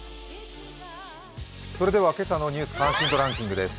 それでは今朝の「ニュース関心度ランキング」です。